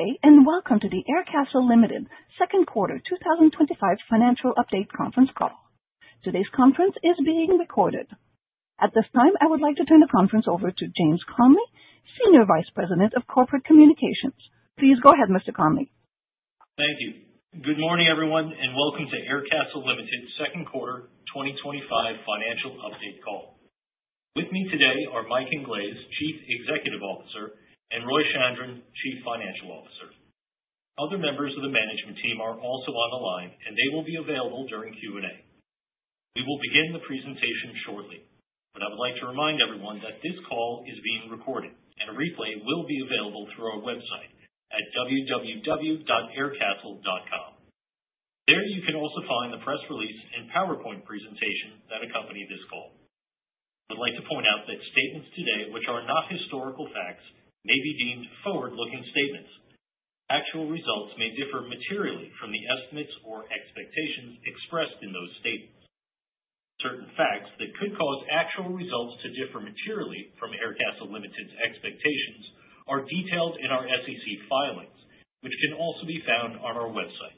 Good day, and welcome to the Aircastle Limited Second Quarter 2025 Financial Update Conference call. Today's conference is being recorded. At this time, I would like to turn the conference over to James Connelly, Senior Vice President of Corporate Communications. Please go ahead, Mr. Connelly. Thank you. Good morning, everyone, and welcome to Aircastle Limited Second Quarter 2025 Financial Update call. With me today are Michael Inglese, Chief Executive Officer, and Roy Chandran, Chief Financial Officer. Other members of the management team are also on the line, and they will be available during Q&A. We will begin the presentation shortly, but I would like to remind everyone that this call is being recorded, and a replay will be available through our website at www.aircastle.com. There you can also find the press release and PowerPoint presentation that accompany this call. I would like to point out that statements today, which are not historical facts, may be deemed forward-looking statements. Actual results may differ materially from the estimates or expectations expressed in those statements. Certain facts that could cause actual results to differ materially from Aircastle Limited's expectations are detailed in our SEC filings, which can also be found on our website.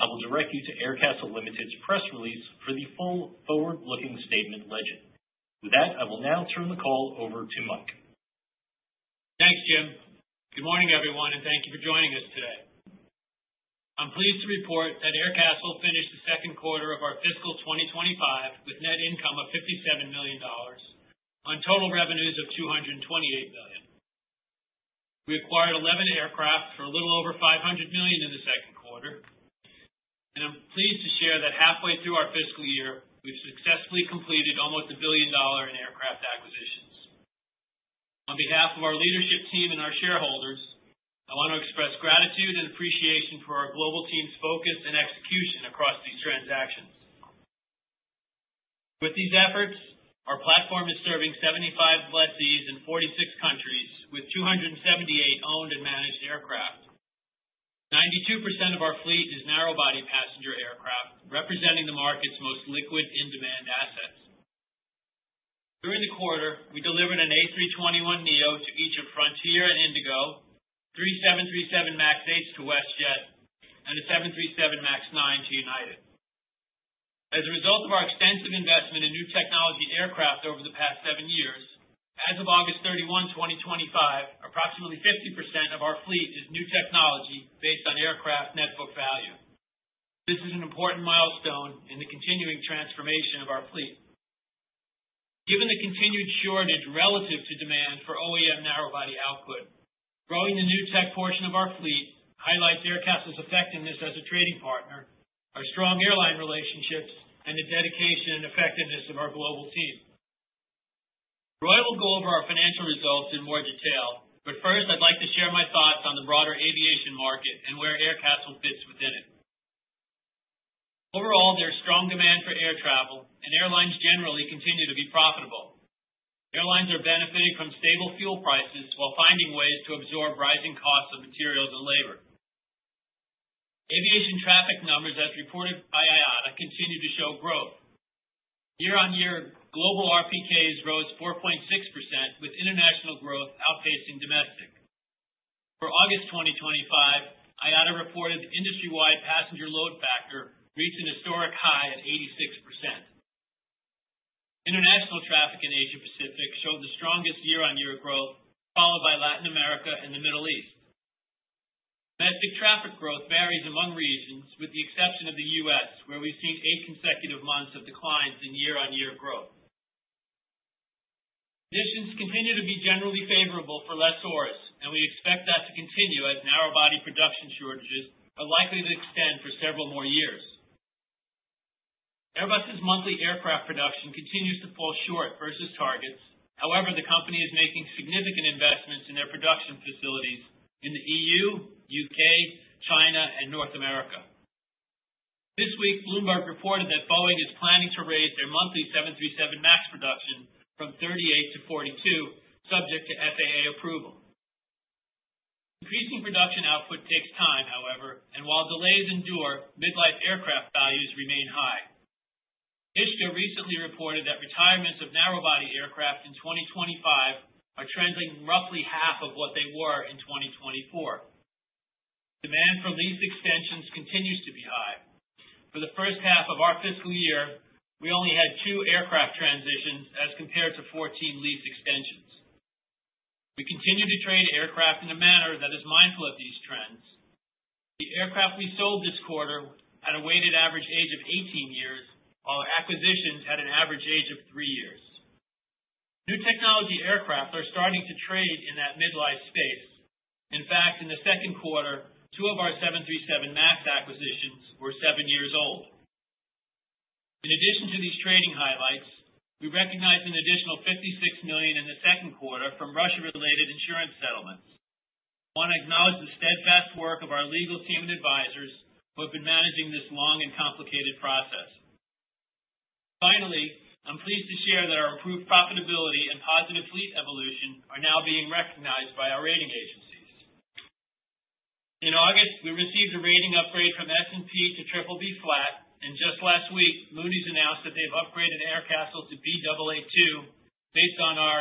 I will direct you to Aircastle Limited's press release for the full forward-looking statement legend. With that, I will now turn the call over to Michael. Thanks, James. Good morning, everyone, and thank you for joining us today. I'm pleased to report that Aircastle finished the second quarter of our fiscal 2025 with net income of $57 million on total revenues of $228 million. We acquired 11 aircraft for a little over $500 million in the second quarter, and I'm pleased to share that halfway through our fiscal year we've successfully completed almost $1 billion in aircraft acquisitions. On behalf of our leadership team and our shareholders, I want to express gratitude and appreciation for our global team's focus and execution across these transactions. With these efforts, our platform is serving 75 lessees in 46 countries, with 278 owned and managed aircraft. 92% of our fleet is narrow-body passenger aircraft, representing the market's most liquid in-demand assets. During the quarter, we delivered an A321neo to each of Frontier and IndiGo, three 737 MAX 8s to WestJet, and a 737 MAX 9 to United. As a result of our extensive investment in new-technology aircraft over the past seven years, as of August 31, 2025, approximately 50% of our fleet is new-technology based on aircraft net book value. This is an important milestone in the continuing transformation of our fleet. Given the continued shortage relative to demand for OEM narrow-body output, growing the new tech portion of our fleet highlights Aircastle's effectiveness as a trading partner, our strong airline relationships, and the dedication and effectiveness of our global team. Roy will go over our financial results in more detail, but first, I'd like to share my thoughts on the broader aviation market and where Aircastle fits within it. Overall, there is strong demand for air travel, and airlines generally continue to be profitable. Airlines are benefiting from stable fuel prices while finding ways to absorb rising costs of materials and labor. Aviation traffic numbers, as reported by IATA, continue to show growth. Year-on-year, global RPKs rose 4.6%, with international growth outpacing domestic. For August 2025, IATA reported industry-wide passenger load factor reached a historic high at 86%. International traffic in Asia-Pacific showed the strongest year-on-year growth, followed by Latin America and the Middle East. Domestic traffic growth varies among regions, with the exception of the U.S., where we've seen eight consecutive months of declines in year-on-year growth. Conditions continue to be generally favorable for lessors, and we expect that to continue as narrow-body production shortages are likely to extend for several more years. Airbus's monthly aircraft production continues to fall short versus targets. However, the company is making significant investments in their production facilities in the EU, UK, China, and North America. This week, Bloomberg reported that Boeing is planning to raise their monthly 737 MAX production from 38 to 42, subject to FAA approval. Increasing production output takes time, however, and while delays endure, midlife aircraft values remain high. Ishka recently reported that retirements of narrow-body aircraft in 2025 are trending roughly half of what they were in 2024. Demand for lease extensions continues to be high. For the first half of our fiscal year, we only had two aircraft transitions as compared to 14 lease extensions. We continue to trade aircraft in a manner that is mindful of these trends. The aircraft we sold this quarter had a weighted average age of 18 years, while our acquisitions had an average age of three years. New-technology aircraft are starting to trade in that midlife space. In fact, in the second quarter, two of our 737 MAX acquisitions were seven years old. In addition to these trading highlights, we recognize an additional $56 million in the second quarter from Russia-related insurance settlements. I want to acknowledge the steadfast work of our legal team and advisors who have been managing this long and complicated process. Finally, I'm pleased to share that our improved profitability and positive fleet evolution are now being recognized by our rating agencies. In August, we received a rating upgrade from S&P to BBB Flat, and just last week, Moody's announced that they've upgraded Aircastle to Baa2 based on our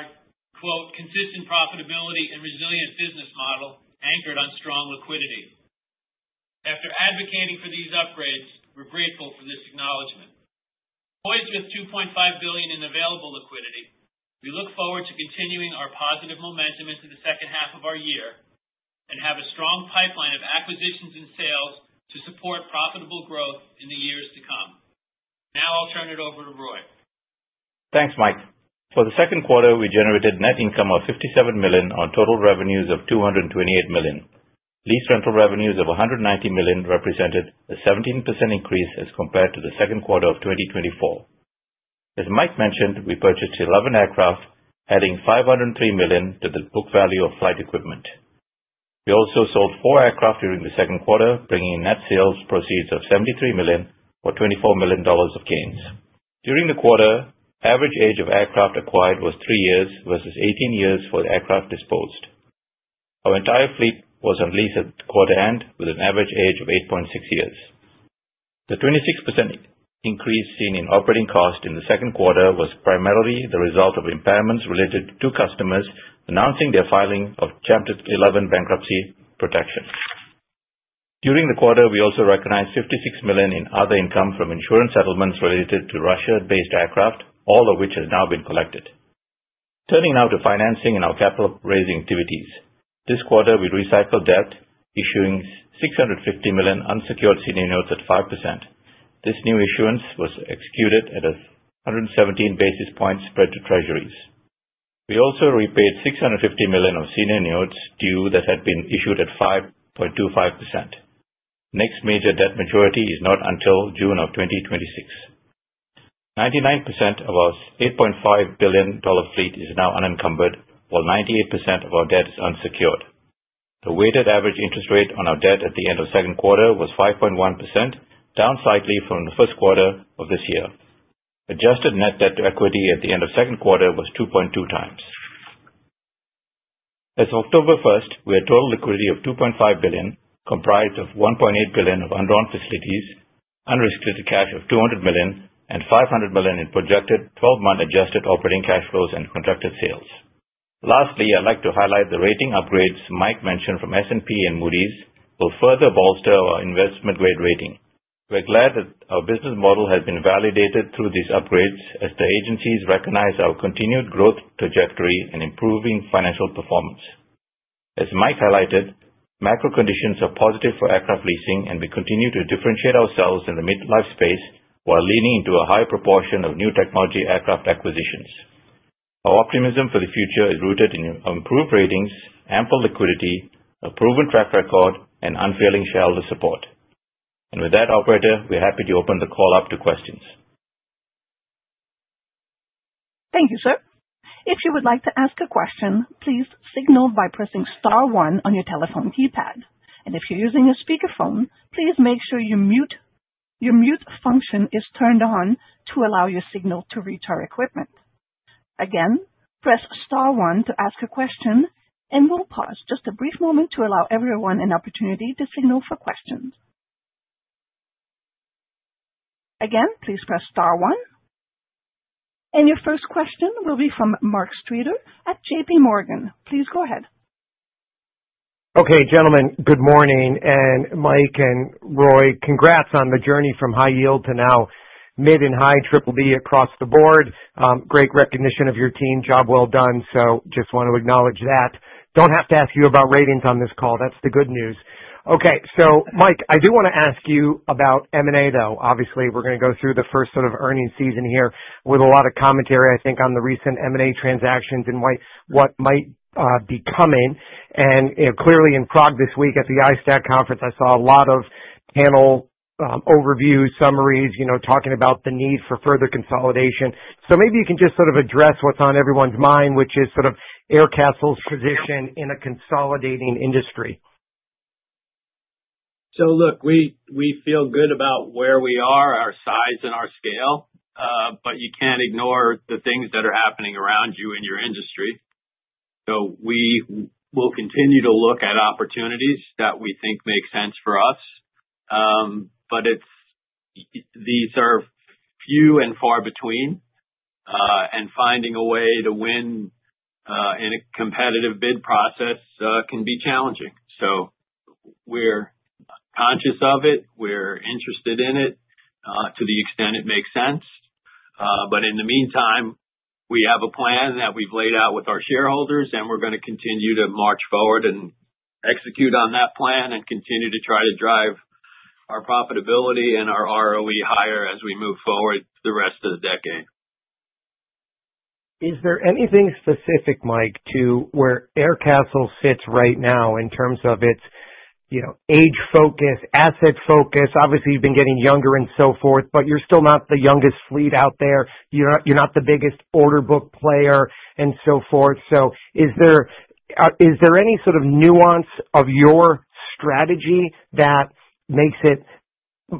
"consistent profitability and resilient business model anchored on strong liquidity." After advocating for these upgrades, we're grateful for this acknowledgment. Poised with $2.5 billion in available liquidity, we look forward to continuing our positive momentum into the second half of our year and have a strong pipeline of acquisitions and sales to support profitable growth in the years to come. Now I'll turn it over to Roy. Thanks, Michael. For the second quarter, we generated net income of $57 million on total revenues of $228 million. Lease rental revenues of $190 million represented a 17% increase as compared to the second quarter of 2024. As Michael mentioned, we purchased 11 aircraft, adding $503 million to the book value of flight equipment. We also sold four aircraft during the second quarter, bringing net sales proceeds of $73 million or $24 million of gains. During the quarter, the average age of aircraft acquired was three years versus 18 years for aircraft disposed. Our entire fleet was on lease at quarter-end, with an average age of 8.6 years. The 26% increase seen in operating cost in the second quarter was primarily the result of impairments related to customers announcing their filing of Chapter 11 bankruptcy protection. During the quarter, we also recognized $56 million in other income from insurance settlements related to Russia-based aircraft, all of which have now been collected. Turning now to financing and our capital-raising activities. This quarter, we recycled debt, issuing $650 million unsecured senior notes at 5%. This new issuance was executed at a 117 basis points spread to Treasuries. We also repaid $650 million of senior notes due that had been issued at 5.25%. Next major debt maturity is not until June of 2026. 99% of our $8.5 billion fleet is now unencumbered, while 98% of our debt is unsecured. The weighted average interest rate on our debt at the end of the second quarter was 5.1%, down slightly from the first quarter of this year. Adjusted net debt to equity at the end of the second quarter was 2.2 times. As of October 1st, we had total liquidity of $2.5 billion, comprised of $1.8 billion of undrawn facilities, unrestricted cash of $200 million, and $500 million in projected 12-month adjusted operating cash flows and contracted sales. Lastly, I'd like to highlight the rating upgrades Michael mentioned from S&P and Moody's, will further bolster our investment-grade rating. We're glad that our business model has been validated through these upgrades, as the agencies recognize our continued growth trajectory and improving financial performance. As Michael highlighted, macro conditions are positive for aircraft leasing, and we continue to differentiate ourselves in the midlife space while leaning into a high proportion of new-technology aircraft acquisitions. Our optimism for the future is rooted in improved ratings, ample liquidity, a proven track record, and unfailing shareholder support. And with that, Operator, we're happy to open the call up to questions. Thank you, sir. If you would like to ask a question, please signal by pressing Star 1 on your telephone keypad, and if you're using a speakerphone, please make sure your mute function is turned on to allow your signal to reach our equipment. Again, press Star 1 to ask a question, and we'll pause just a brief moment to allow everyone an opportunity to signal for questions. Again, please press Star 1, and your first question will be from Mark Streeter at J.P. Morgan. Please go ahead. Okay, gentlemen, good morning. And Michael and Roy, congrats on the journey from high yield to now mid and high BBB across the board. Great recognition of your team. Job well done. So just want to acknowledge that. Don't have to ask you about ratings on this call. That's the good news. Okay, so Michael, I do want to ask you about M&A, though. Obviously, we're going to go through the first sort of earnings season here with a lot of commentary, I think, on the recent M&A transactions and what might be coming. And clearly, in Prague this week at the ISTAT conference, I saw a lot of panel overviews, summaries, talking about the need for further consolidation. So maybe you can just sort of address what's on everyone's mind, which is sort of Aircastle's position in a consolidating industry. So look, we feel good about where we are, our size, and our scale, but you can't ignore the things that are happening around you in your industry. So we will continue to look at opportunities that we think make sense for us, but these are few and far between, and finding a way to win in a competitive bid process can be challenging. So we're conscious of it. We're interested in it to the extent it makes sense. But in the meantime, we have a plan that we've laid out with our shareholders, and we're going to continue to march forward and execute on that plan and continue to try to drive our profitability and our ROE higher as we move forward the rest of the decade. Is there anything specific, Michael, to where Aircastle sits right now in terms of its age focus, asset focus? Obviously, you've been getting younger and so forth, but you're still not the youngest fleet out there. You're not the biggest order book player and so forth. So is there any sort of nuance of your strategy that makes it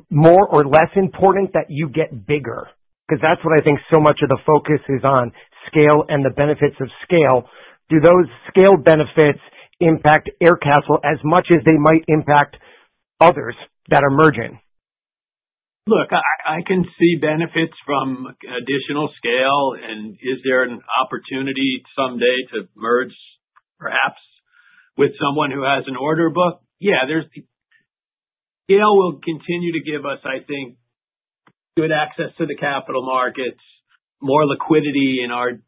more or less important that you get bigger? Because that's what I think so much of the focus is on: scale and the benefits of scale. Do those scale benefits impact Aircastle as much as they might impact others that are merging? Look, I can see benefits from additional scale, and is there an opportunity someday to merge, perhaps, with someone who has an order book? Yeah, scale will continue to give us, I think, good access to the capital markets, more liquidity in our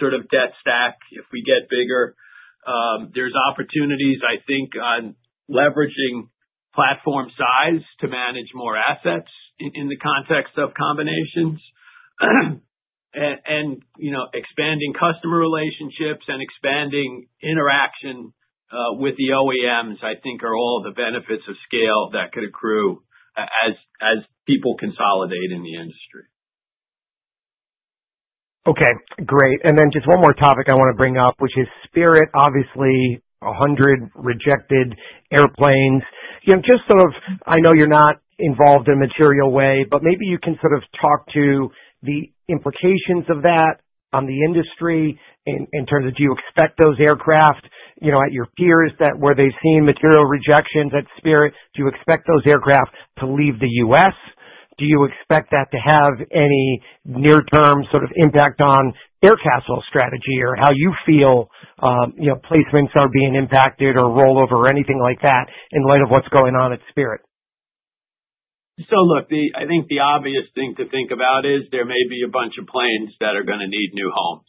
sort of debt stack if we get bigger. There's opportunities, I think, on leveraging platform size to manage more assets in the context of combinations, and expanding customer relationships and expanding interaction with the OEM, I think, are all the benefits of scale that could accrue as people consolidate in the industry. Okay, great. And then just one more topic I want to bring up, which is Spirit, obviously, 100 rejected airplanes. Just sort of, I know you're not involved in a material way, but maybe you can sort of talk to the implications of that on the industry in terms of do you expect those aircraft at your peers that where they've seen material rejections at Spirit, do you expect those aircraft to leave the U.S.? Do you expect that to have any near-term sort of impact on Aircastle's strategy or how you feel placements are being impacted or rollover or anything like that in light of what's going on at Spirit? So look, I think the obvious thing to think about is there may be a bunch of planes that are going to need new homes.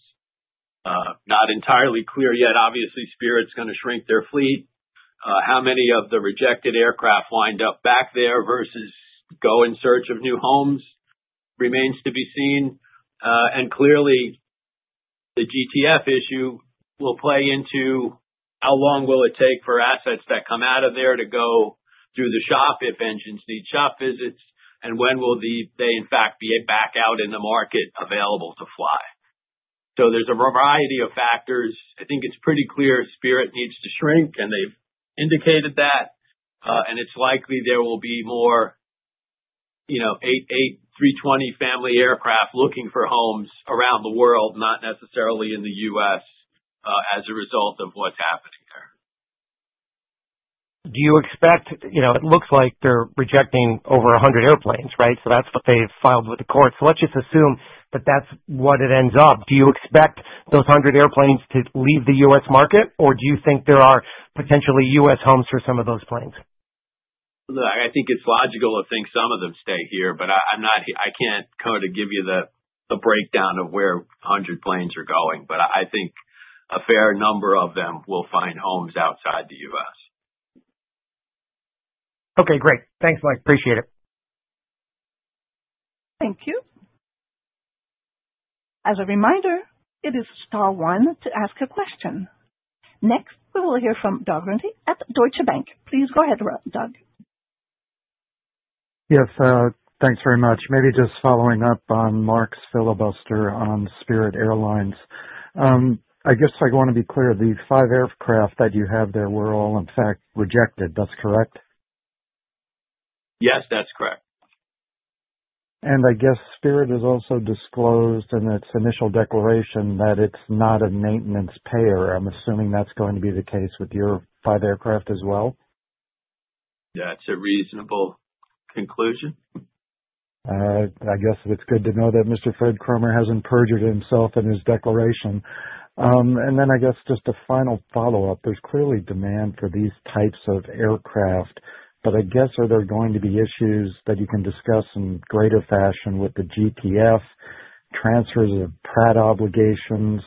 Not entirely clear yet. Obviously, Spirit's going to shrink their fleet. How many of the rejected aircraft wind up back there versus go in search of new homes remains to be seen. And clearly, the GTF issue will play into how long will it take for assets that come out of there to go through the shop if engines need shop visits, and when will they, in fact, be back out in the market available to fly? So there's a variety of factors. I think it's pretty clear Spirit needs to shrink, and they've indicated that. And it's likely there will be more A320 family aircraft looking for homes around the world, not necessarily in the U.S., as a result of what's happening there. Do you expect it looks like they're rejecting over 100 airplanes, right? So that's what they filed with the courts. So let's just assume that that's what it ends up. Do you expect those 100 airplanes to leave the U.S. market, or do you think there are potentially U.S. homes for some of those planes? Look, I think it's logical to think some of them stay here, but I can't kind of give you the breakdown of where 100 planes are going, but I think a fair number of them will find homes outside the U.S. Okay, great. Thanks, Michael. Appreciate it. Thank you. As a reminder, it is Star 1 to ask a question. Next, we will hear from Douglas Runte at Deutsche Bank. Please go ahead, Douglas. Yes, thanks very much. Maybe just following up on Mark's filibuster on Spirit Airlines. I guess I want to be clear, the five aircraft that you have there were all, in fact, rejected. That's correct? Yes, that's correct. I guess Spirit has also disclosed in its initial declaration that it's not a maintenance payer. I'm assuming that's going to be the case with your five aircraft as well? That's a reasonable conclusion. I guess it's good to know that Mr. Fred Cromer hasn't perjured himself in his declaration. And then I guess just a final follow-up. There's clearly demand for these types of aircraft, but I guess are there going to be issues that you can discuss in greater fashion with the GTF, transfers of Pratt obligations?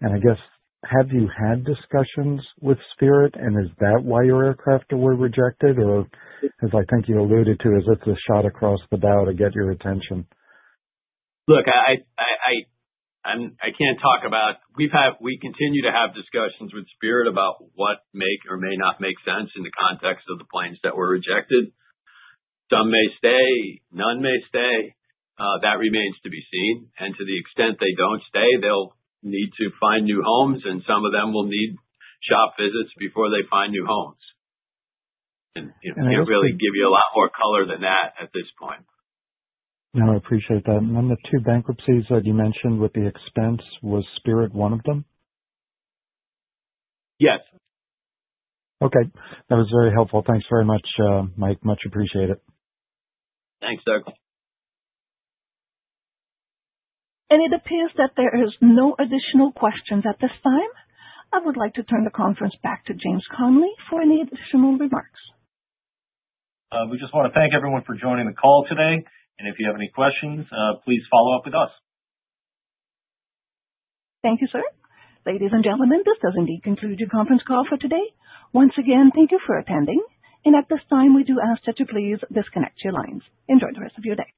And I guess, have you had discussions with Spirit, and is that why your aircraft were rejected, or as I think you alluded to, is it the shot across the bow to get your attention? Look, I can't talk about we continue to have discussions with Spirit about what may or may not make sense in the context of the planes that were rejected. Some may stay. None may stay. That remains to be seen, and to the extent they don't stay, they'll need to find new homes, and some of them will need shop visits before they find new homes, and can't really give you a lot more color than that at this point. No, I appreciate that. And then the two bankruptcies that you mentioned with the expense, was Spirit one of them? Yes. Okay. That was very helpful. Thanks very much, Michael. Much appreciated. Thanks, Douglas. It appears that there are no additional questions at this time. I would like to turn the conference back to James Connelly for any additional remarks. We just want to thank everyone for joining the call today. And if you have any questions, please follow up with us. Thank you, sir. Ladies and gentlemen, this does indeed conclude your conference call for today. Once again, thank you for attending. And at this time, we do ask that you please disconnect your lines and join the rest of your day.